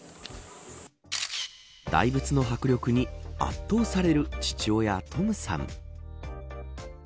大仏の迫力に圧倒される父親、トムさん。